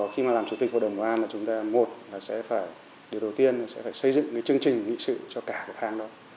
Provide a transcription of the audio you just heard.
khi làm chủ tịch hội đồng bảo an điều đầu tiên là chúng ta phải xây dựng chương trình nghị sự cho cả tháng đó